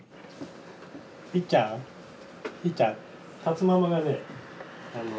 いっちゃんいっちゃん。